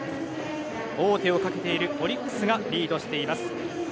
王手をかけているオリックスがリードしています。